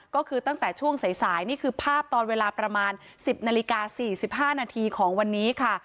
ก็คือตั้งแต่ช่วงสายนี่คือภาพตอนเวลาประมาณ๑๐นาฬิกา๔๕นาทีของวันนี้ค่ะ